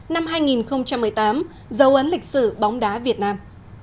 năm hai nghìn một mươi tám dấu ấn lịch sử bóng đá việt nam